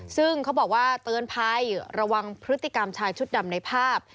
ซึ่งเขาบอกว่าเตือนภัยระวังพฤติกรรมชายชุดดำในภาพ